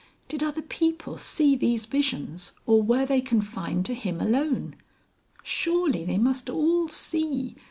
Did other people see these visions, or were they confined to him alone? Surely they must all see